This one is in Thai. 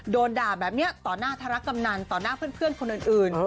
โดนด่าแบบนี้ต่อหน้าธรกำนันต่อหน้าเพื่อนคนอื่น